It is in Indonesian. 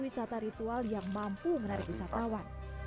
wisata ritual yang mampu menarik wisatawan